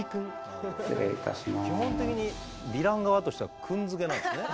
基本的にヴィラン側としては「くん」付けなんですね。